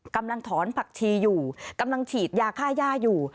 กำลังถอนผักชีอยู่กำลังฉีดยาค่าย่าอยู่